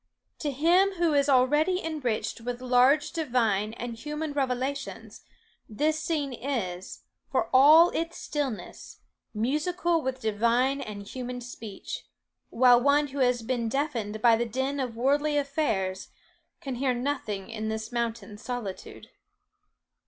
To him who is already enriched with large divine and human revelations, this scene is, for all its stillness, musical with divine and human speech; while one who has been deafened by the din of worldly affairs can hear nothing in this mountain solitude."